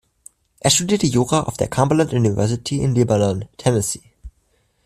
Er studierte Jura auf der Cumberland University in Lebanon, Tennessee.